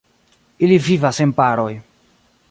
Ili vivas en paroj.